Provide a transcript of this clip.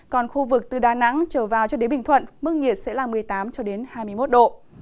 còn khu vực từ đà nẵng trở vào cho đến bình thuận mức nhiệt sẽ là một mươi tám cho đến hai mươi một độ